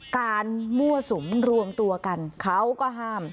มั่วสุมรวมตัวกันเขาก็ห้าม